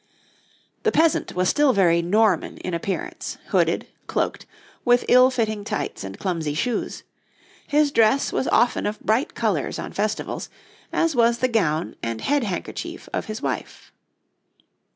The peasant was still very Norman in appearance, hooded, cloaked, with ill fitting tights and clumsy shoes; his dress was often of bright colours on festivals, as was the gown and head handkerchief of his wife.